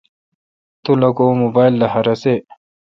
تو لو کہ اں موبایل لخہ رسے۔